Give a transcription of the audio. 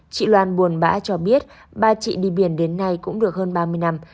chị loan buồn bã cho biết ba chị đi biển đến nay cũng được hơn ba mươi năm